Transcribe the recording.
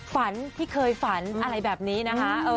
ฝันที่เคยฝันอะไรแบบนี้นะคะ